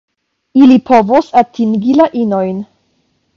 Ili povos atingi la inojn.